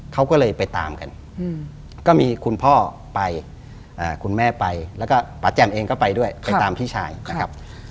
เขาก็เลยไปตามกันก็มีคุณพ่อไปคุณแม่ไปแล้วก็ป่าแจ่มเองก็ไปด้วยไปตามพี่ชายนะครับ